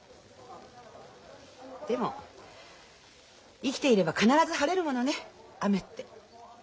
でも生きていれば必ず晴れるものね雨って。